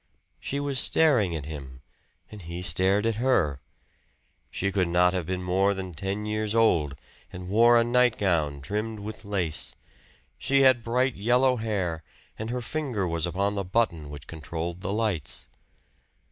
She was staring at him; and he stared at her. She could not have been more than ten years old, and wore a nightgown trimmed with lace. She had bright yellow hair, and her finger was upon the button which controlled the lights.